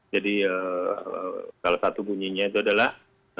jadi salah satu bunyinya itu adalah